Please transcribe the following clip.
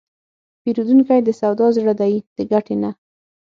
پیرودونکی د سودا زړه دی، د ګټې نه.